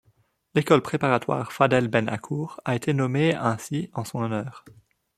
L'école préparatoire Fadhel Ben Achour a été nommée ainsi en son honneur.